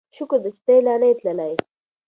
شکر دی چې ته لا نه یې تللی.